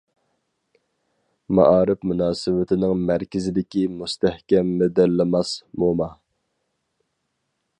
مائارىپ مۇناسىۋىتىنىڭ مەركىزىدىكى مۇستەھكەم مىدىرلىماس موما.